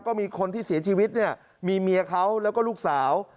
มีคนที่เสียชีวิตเนี่ยมีเมียเขาแล้วก็ลูกสาว